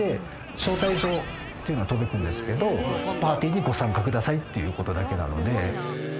招待状っていうのが届くんですけどパーティーにご参加くださいっていう事だけなので。